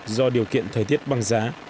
do điều kiện thời tiết băng giá